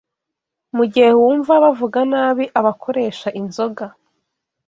mu gihe wumva bavuga nabi abakoresha inzoga